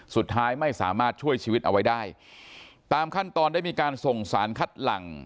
สุดท้ายไม่สามารถช่วยชีวิตเอาไว้ได้ตามขั้นตอนได้มีการส่งสารคัดหลัง